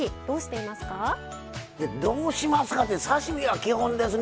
いやどうしますかって刺身は基本ですね